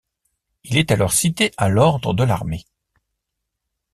Il est alors cité à l'ordre de l'Armée.